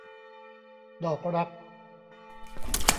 ดอกรัก